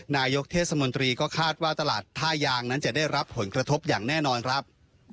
นายกเทศมนตรีก็คาดว่าตลาดท่ายางนั้นจะได้รับผลกระทบอย่างแน่นอนครับ